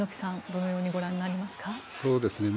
どのようにご覧になりますか？